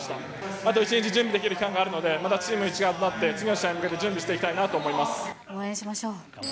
あと１日準備できる期間があるので、またチーム一丸となって、次の試合に向けて準備していきた応援しましょう。